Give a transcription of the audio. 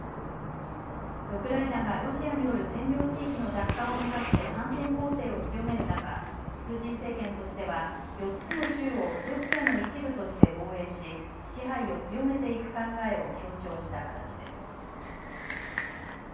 ウクライナがロシアによる占領地域の奪還を目指して反転攻勢を強める中、プーチン政権としては４つの州をロシアの一部として防衛し支配を強めていく考えを強調した形です。